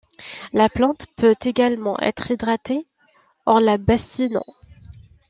La plante peut également être hydratée en la bassinant.